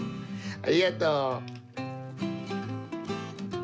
ありがとう！